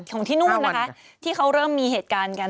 ของที่นู่นนะคะที่เขาเริ่มมีเหตุการณ์กัน